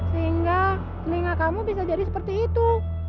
sehingga telinga kamu bisa jadi seperti itu